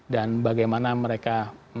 dan bagaimana mereka